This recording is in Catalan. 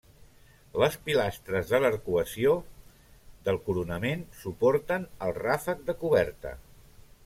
Les pilastres de l'arcuació del coronament suporten el ràfec de coberta.